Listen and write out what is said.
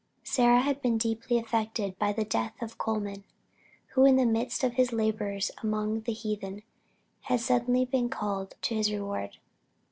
Sarah had been deeply affected by the death of Colman, who in the midst of his labors among the heathen, had suddenly been called to his reward.